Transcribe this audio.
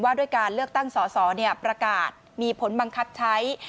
ด้วยการเลือกตั้งสอสอประกาศมีผลบังคับใช้